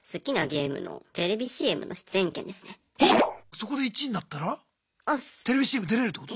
そこで１位になったらテレビＣＭ出れるってこと？